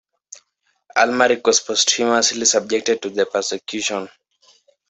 Almaric was posthumously subjected to the persecution.